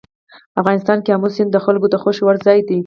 افغانستان کې آمو سیند د خلکو د خوښې وړ ځای دی.